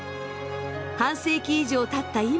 半世紀以上たった